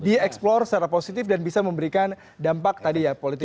dieksplor secara positif dan bisa memberikan dampak tadi ya politik